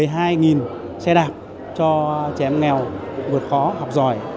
vì vậy thì chúng tôi sẽ tài trợ một mươi hai xe đạp cho trẻ em nghèo vượt khó học giỏi